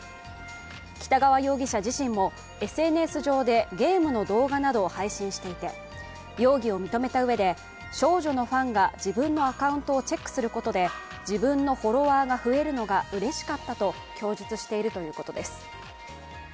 北川容疑者自身も、ＳＮＳ上でゲームの動画などを配信していて、容疑を認めたうえで、少女のファンが自分のアカウントをチェックすることで自分のフォロワーが増えるのがうれしかったと供述しているということです。